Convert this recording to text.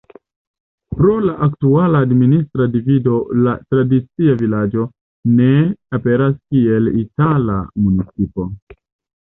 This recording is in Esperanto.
Pro la aktuala administra divido la tradicia vilaĝo ne aperas kiel itala municipo.